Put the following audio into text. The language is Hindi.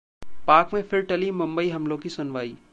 पाक में फिर टली मुंबई हमलों की सुनवाई